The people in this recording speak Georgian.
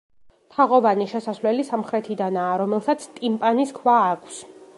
თაღოვანი შესასვლელი სამხრეთიდანაა, რომელსაც ტიმპანის ქვა აქვს.